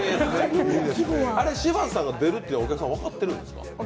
あれ、柴田さんが出るってお客さんは分かってるんですか？